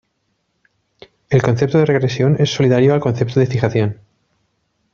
El concepto de regresión es solidario al concepto de fijación.